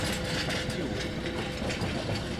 Juj!